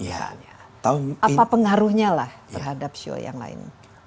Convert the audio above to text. apa pengaruhnya lah terhadap sio yang lain